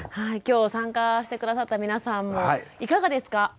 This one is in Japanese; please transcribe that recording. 今日参加して下さった皆さんもいかがですか？